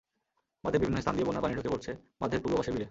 বাঁধের বিভিন্ন স্থান দিয়ে বন্যার পানি ঢুকে পড়ছে বাঁধের পূর্ব পাশের বিলে।